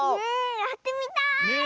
やってみたい！